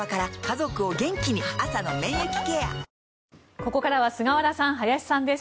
ここからは菅原さん、林さんです。